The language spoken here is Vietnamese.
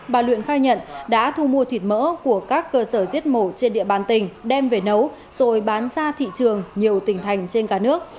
bà luyện khai nhận đã thu mua thịt mỡ của các cơ sở giết mổ trên địa bàn tỉnh đem về nấu rồi bán ra thị trường nhiều tỉnh thành trên cả nước